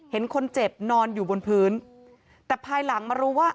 เห็นคนเจ็บนอนอยู่บนพื้นแต่ภายหลังมารู้ว่า